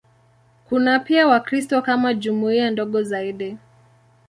Kuna pia Wakristo kama jumuiya ndogo zaidi.